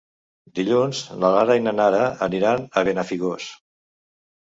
Dilluns na Lara i na Nara aniran a Benafigos.